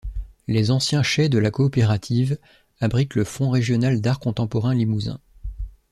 Les anciens chais de la coopérative abritent le Fonds régional d'art contemporain Limousin.